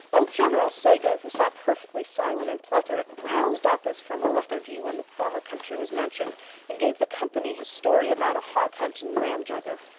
Old General Sago, who sat perfectly silent and plethoric, roused up as from a lethargy when the former country was mentioned, and gave the company his story about a hog hunt at Ramjugger.